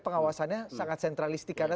pengawasannya sangat sentralistik karena